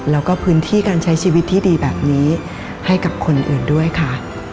แล้วก็พื้นที่การใช้ชีวิตที่ดีแบบนี้ให้กับคนอื่นด้วยค่ะ